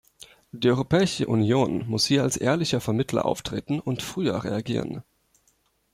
Die Europäische Union muss hier als ehrlicher Vermittler auftreten und früher reagieren.